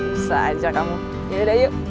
bisa aja kamu yaudah yuk